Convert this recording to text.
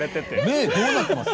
目どうなってます？